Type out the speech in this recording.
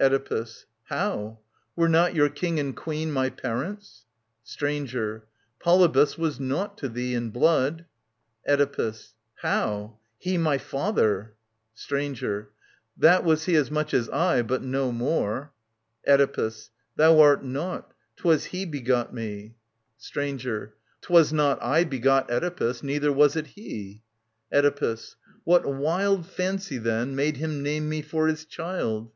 Oedipus. How ? Were not your King and Queen My parents ? Stranger. Polybus was naught to thee In blood. Oedipus. How ? He, my father I Stranger. That was he As much as I, but no more. Oedipus. Thou art naught | *Twas he begot mc. 58 TT.io3CHia2« OEDIPUS, KING OF THEBES Stranger. Twas not I begot Oedipus, neither was it he. Oedipus. What wild Fancy, then, made him name me for his child